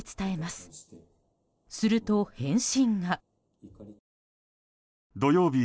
すると、返信が。